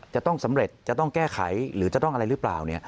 จะต้องสำเร็จจะต้องแก้ไขหรือจะต้องอะไรหรือเปล่า